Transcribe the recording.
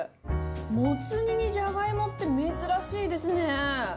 もつ煮にジャガイモって珍しいですね。